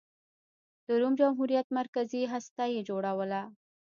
د روم جمهوریت مرکزي هسته یې جوړوله.